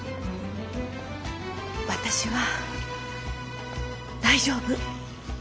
私は大丈夫。